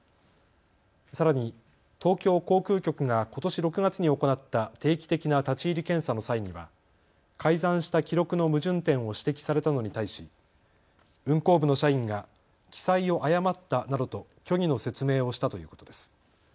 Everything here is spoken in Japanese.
さらに東京航空局がことし６月に行った定期的な立ち入り検査の際には改ざんした記録の矛盾点を指摘されたのに対し運航部の社員が記載を誤ったなどと虚偽の説明をしたということです。